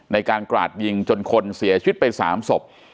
ในการกราดยิงจนคนเสียชีวิตไป๓ศพ